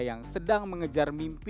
yang sedang mengejar mimpi